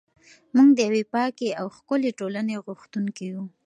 موږ د یوې پاکې او ښکلې ټولنې غوښتونکي یو.